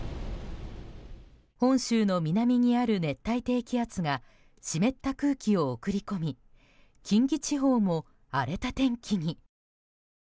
本州の南にある熱帯低気圧が湿った空気を送り込み近畿地方も、荒れた天気に。